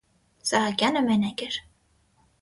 Սահակյանը մենակ էր: